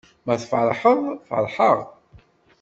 Ma tfeṛḥeḍ feṛḥeƔ.